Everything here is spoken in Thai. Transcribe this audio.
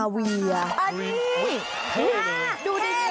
อันนี้ดูดีกว่ามากดูดีกว่ามากดูดีกว่ามาก